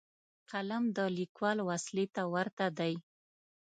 قلم د لیکوال وسلې ته ورته دی